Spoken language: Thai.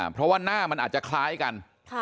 เพราะว่าหน้ามันอาจจะคล้ายกัน